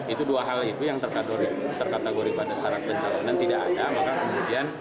itu dua hal itu yang terkategori pada syarat pencalonan tidak ada maka kemudian